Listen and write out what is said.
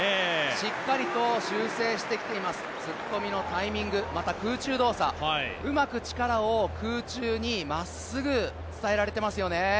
しっかりと修正してきています、突っ込みのタイミング、また空中動作、うまく力を空中にまっすぐ伝えられていますよね。